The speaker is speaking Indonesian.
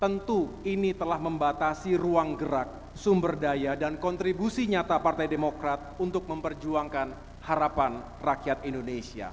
tentu ini telah membatasi ruang gerak sumber daya dan kontribusi nyata partai demokrat untuk memperjuangkan harapan rakyat indonesia